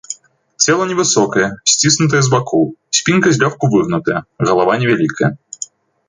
Цела невысокае, сціснутае з бакоў, спінка злёгку выгнутая, галава невялікая.